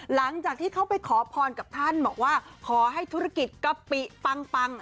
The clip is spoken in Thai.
หลังจากที่เขาไปขอพรกับท่านบอกว่าขอให้ธุรกิจกะปิปัง